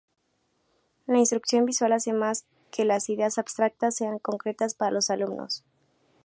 La instrucción visual hace que las ideas abstractas sean más concretas para los alumnos.